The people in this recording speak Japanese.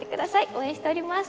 応援しております。